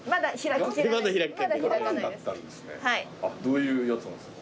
どういうやつなんですか？